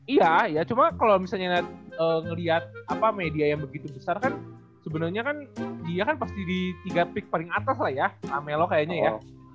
iya ya cuma kalau misalnya melihat media yang begitu besar kan sebenarnya kan dia kan pasti di tiga pik paling atas lah ya amelo kayaknya ya